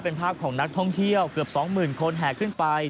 เป็นภาพของนักท่องเที่ยวเกือบ๒๐๐๐คนแห่ขึ้นไป